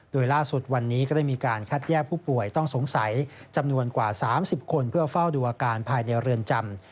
โดยล่าสุดวันนี้ก็ได้มีการคัดแยกผู้ป่วยต้องสงสัยจำนวนกว่า๓๐คนเพื่อเฝ้าดูอาการภายในเรือนจำ